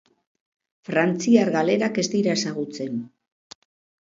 Frantziar galerak ez dira ezagutzen.